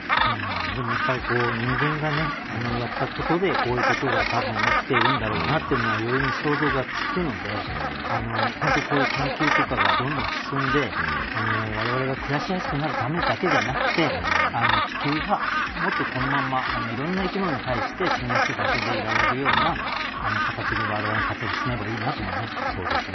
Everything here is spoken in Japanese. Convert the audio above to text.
でもやっぱり人間がやったことでこういうことがたぶん起きているんだろうなというのは容易に想像がつくのでこういう研究とかがどんどん進んでわれわれが暮らしやすくなるためだけじゃなくて地球がもっとこのままいろんな生き物に対して住みやすい場所でいられるような形でわれわれの活動が進めばいいなと思いますね。